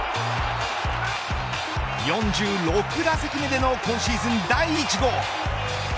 ４６打席目での今シーズン第１号。